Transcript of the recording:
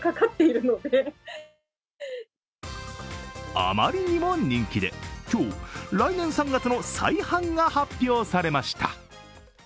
あまりにも人気で、今日、来年３月の再販が発表されました。